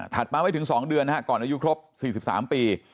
ถัดมาไม่ถึง๒เดือนก่อนอายุครบ๔๓ปี